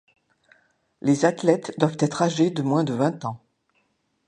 Les athlètes doivent être âgés de moins de vingt ans.